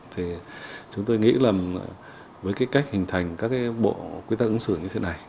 thì chúng tôi nghĩ là với cái cách hình thành các cái bộ quy tắc ứng xử như thế này